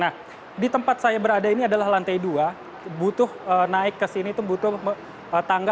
nah di tempat saya berada ini adalah lantai dua butuh naik ke sini itu butuh tangga